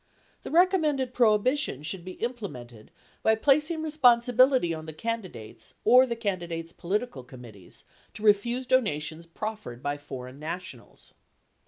33 The recom mended prohibition should be implemented by placing responsibility on the candidates or the candidates' political committees to refuse donations proffered by foreign nationals.